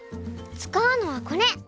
つかうのはこれ。